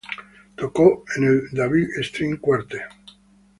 Tocó en el David String Quartet.